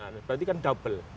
berarti kan double